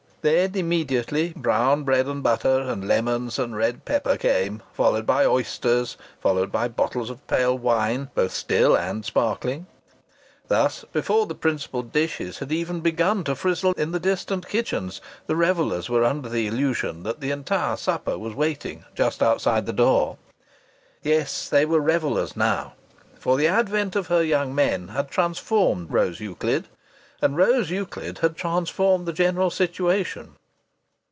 Then immediately brown bread and butter and lemons and red pepper came, followed by oysters, followed by bottles of pale wine, both still and sparkling. Thus, before the principal dishes had even begun to frizzle in the distant kitchens, the revellers were under the illusion that the entire supper was waiting just outside the door.... Yes, they were revellers now! For the advent of her young men had transformed Rose Euclid, and Rose Euclid had transformed the general situation.